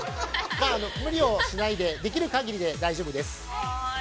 まあ、あの、無理をしないでできる限りで大丈夫です。